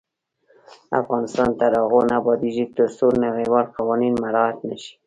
افغانستان تر هغو نه ابادیږي، ترڅو نړیوال قوانین مراعت نشي.